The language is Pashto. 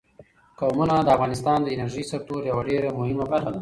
قومونه د افغانستان د انرژۍ سکتور یوه ډېره مهمه برخه ده.